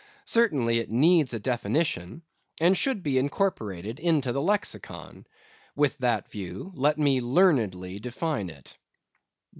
Certainly, it needs a definition, and should be incorporated into the Lexicon. With that view, let me learnedly define it.